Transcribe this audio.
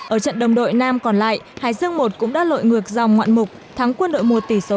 ở trận đồng đội nam còn lại hải dương một cũng đã lội ngược dòng ngoạn mục thắng quân đội một tỷ số ba